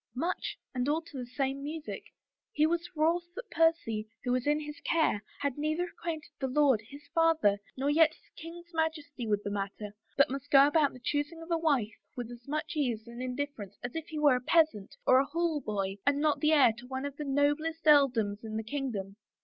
" Much — and all to the same music. He was wroth that Percy, who was in his care, had neither acquainted the lord, his father, nor yet the king's Majesty with the matter but must go about the choosing of a wife with as much ease and indifference as if he were a peasant or a hall boy and not the heir to one of the noblest earldoms in the kingdom.